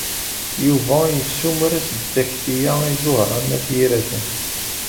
Yuba yessumer-as-d takti-a i Ẓuhṛa n At Yiraten.